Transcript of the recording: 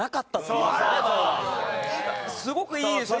すごくいいですよね